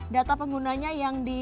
data penggunanya yang di